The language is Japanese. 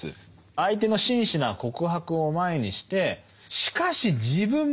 相手の真摯な告白を前にしてしかし自分も悪かったと。